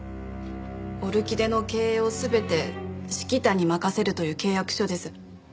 オルキデの経営を全てｓｈｉｋｉｔａに任せるという契約書です。